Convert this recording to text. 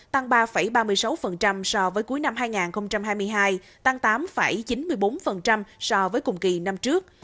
tăng ba ba mươi sáu so với cuối năm hai nghìn hai mươi hai tăng tám chín mươi bốn so với cùng kỳ năm trước